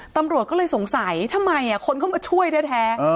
ตำรวจก็เลยสงสัยทำไมคนเข้ามาช่วยแท้